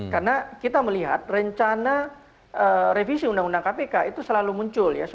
karena kita melihat rencana revisi undang undang kpk itu selalu muncul